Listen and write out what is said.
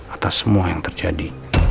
atas semua yang terjadi